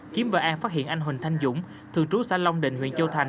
kiếm và an phát hiện anh huỳnh thanh dũng thường trú xã long định huyện châu thành